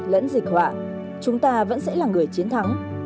lẫn dịch họa chúng ta vẫn sẽ là người chiến thắng